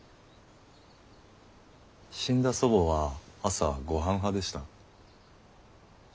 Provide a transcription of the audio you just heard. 死んだ祖母は朝ごはん派でした。